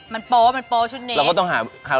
มันโป๊ะมันโป๊ะชุดนี้